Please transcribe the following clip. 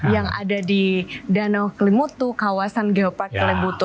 yang ada di danau kelimutu kawasan geopark kelimutu